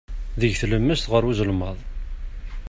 Deg tlemmast ɣer uzelmaḍ.